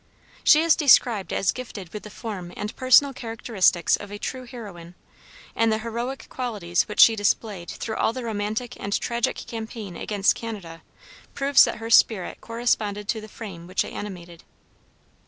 She is described as gifted with the form and personal characteristics of a true heroine, and the heroic qualities which she displayed through all the romantic and tragic campaign against Canada proves that her spirit corresponded to the frame which it animated.